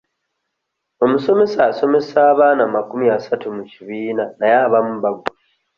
Omusomesa asomesa abaana amakumi asatu mu kibiina naye abamu bagwa.